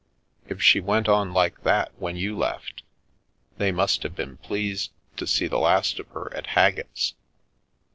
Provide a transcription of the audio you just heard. If she went on like that when you left, they must have been pleased to see the last of her at Haggett's."